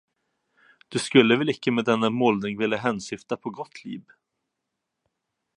Du skulle väl icke med denna målning vilja hänsyfta på Gottlieb.